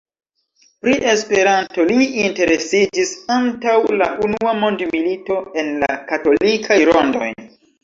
Pri Esperanto li interesiĝis antaŭ la unua mondmilito, en la katolikaj rondoj.